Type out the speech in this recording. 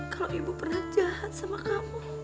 kalau ibu pernah jahat sama kamu